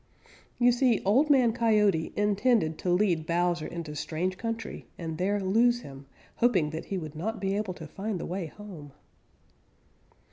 You see, Old Man Coyote intended to lead Bowser into strange country and there lose him, hoping that he would not be able to find the way home.